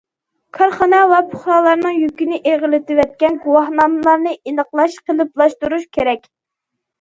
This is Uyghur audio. كارخانا ۋە پۇقرالارنىڭ يۈكىنى ئېغىرلىتىۋەتكەن گۇۋاھنامىلەرنى ئېنىقلاش، قېلىپلاشتۇرۇش كېرەك.